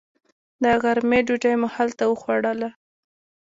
د غرمې ډوډۍ مو هلته وخوړله.